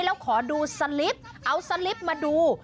แล้วขอดูสลิปเอาสลิปมาดู